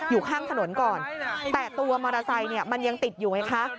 อยู่ข้างถนนก่อนแต่ตัวมอเตอร์ไซค์เนี่ยมันยังติดอยู่ไงคะ